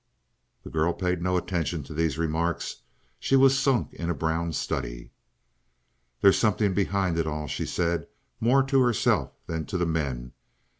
The girl paid no attention to these remarks. She was sunk in a brown study. "There's something behind it all," she said, more to herself than to the men.